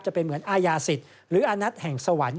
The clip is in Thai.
จะเป็นเหมือนอาญาสิทธิ์หรืออานัทแห่งสวรรค์